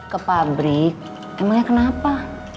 ke pabrik emangnya kenapa